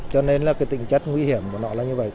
cho nên là tình chất nguy hiểm của nó là như vậy